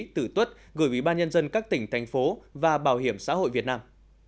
tử tuất gửi ủy ban nhân dân các tỉnh thành phố và bảo hiểm xã hội việt nam